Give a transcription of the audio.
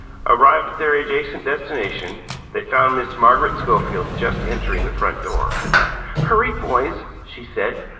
Arrived at their adjacent destination, they found Miss Margaret Schofield just entering the front door. "Hurry, boys!" she said.